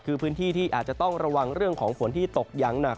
คือพื้นที่ที่อาจจะต้องระวังเรื่องของฝนที่ตกอย่างหนัก